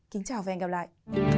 kính chào và hẹn gặp lại